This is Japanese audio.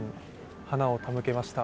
花を手向けました。